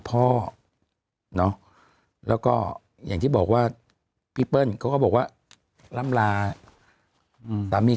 พ่อเนาะแล้วก็อย่างที่บอกว่าพี่เปิ้ลเขาก็บอกว่าล่ำลาสามี